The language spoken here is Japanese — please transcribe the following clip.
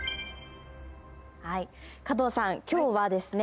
加藤さん、今日はですね